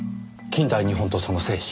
『近代日本とその精神』。